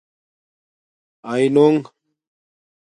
آینونݣ